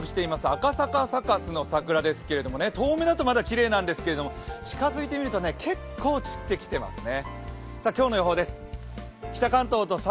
赤坂サカスの桜ですけど、遠目だとまだきれいなんですけど近づいてみると結構、散ってきていますね。